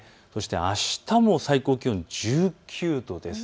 あしたも最高気温１９度。